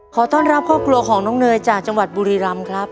ขอต้อนรับครอบครัวของน้องเนยจากจังหวัดบุรีรำครับ